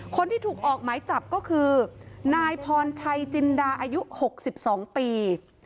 คนที่ถูกออกไหมจับก็คือนายพรชัยจินดาอายุหกสิบสองปี